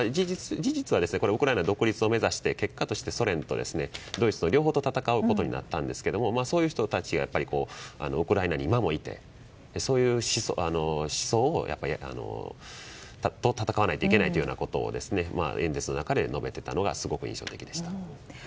事実はウクライナ独立を目指して結果としてソ連、ドイツ両方と戦うことになったんですがそういう人たちがウクライナに今もいてそういう思想と戦わないといけないということを演説の中で述べていたのがすごく印象的でした。